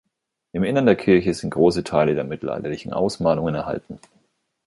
Im Innern der Kirche sind große Teile der mittelalterlichen Ausmalungen erhalten.